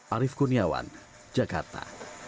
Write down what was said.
arief kuniawan jakarta